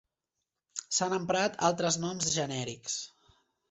S'han emprat altres noms genèrics.